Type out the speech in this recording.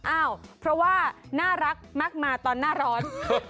อ้าวเพราะว่าน่ารักมากมาตอนหน้าร้อน